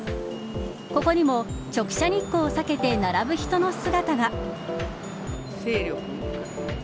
ここにも直射日光を避けて並ぶ人の姿が。